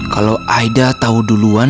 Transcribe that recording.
kalau aida tau duluan